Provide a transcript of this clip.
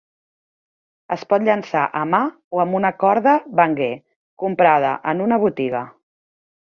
Es pot llançar a mà o amb una corda bungee comprada en una botiga.